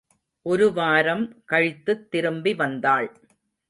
ஒருவாரம் கழித்துத் திரும்பி வந்தாள்.